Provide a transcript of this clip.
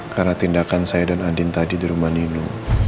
karena tindakan saya dan adin tadi di rumah nino